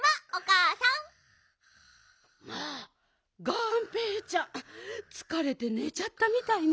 まあがんぺーちゃんつかれてねちゃったみたいね。